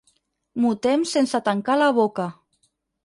Mutem sense tancar la boca.